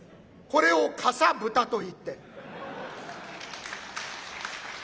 これをかさぶたといって。